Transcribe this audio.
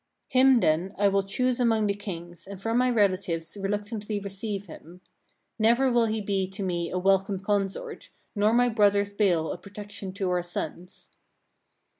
33. "Him then I will choose among the kings, and from my relatives reluctantly receive him. Never will he be to me a welcome consort, nor my brothers' bale a protection to our sons."